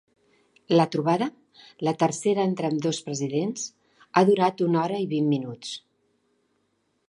La trobada, la tercera entre ambdós presidents, ha durat una hora i vint minuts.